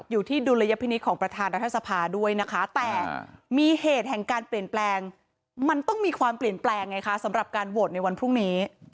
ดุลยพินิษฐ์ของประธานรัฐสภาด้วยนะคะแต่มีเหตุแห่งการเปลี่ยนแปลงมันต้องมีความเปลี่ยนแปลงไงคะสำหรับการโหวตในวันพรุ่งนี้